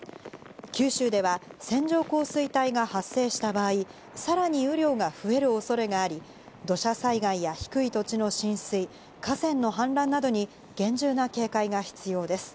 九州では線状降水帯が発生した場合、さらに雨量が増える恐れがあり、土砂災害や低い土地の浸水、河川の氾濫などに厳重な警戒が必要です。